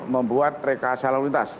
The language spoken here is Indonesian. membuat reka salunitas